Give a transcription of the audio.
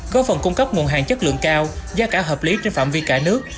góp phần cung cấp nguồn hàng chất lượng cao giá cả hợp lý trên phạm vi cả nước